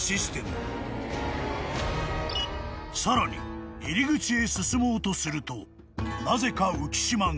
［さらに入り口へ進もうとするとなぜか浮島が］